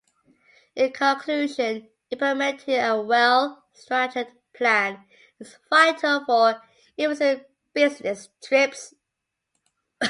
In conclusion, implementing a well-structured plan is vital for efficient business trips.